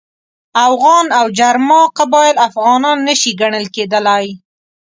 اوغان او جرما قبایل افغانان نه شي ګڼل کېدلای.